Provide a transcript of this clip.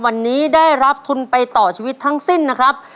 วันนี้ได้รับทุนไปต่อชีวิตทั้งสิ้นนะครับ